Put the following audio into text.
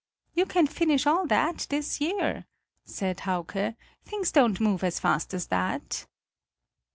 "You can finish all that this year," said Hauke; "things don't move as fast as that."